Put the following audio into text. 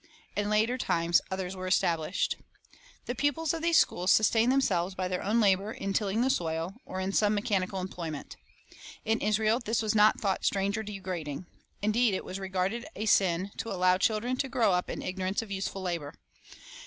In later times others were established. The Schools of the Prophets 47 The pupils of these schools sustained themselves by their own labor in tilling the soil, or in some mechanical employment. In Israel this was not thought strange or degrading; indeed, it was regarded as a sin to allow children to grow up in ignorance of useful labor.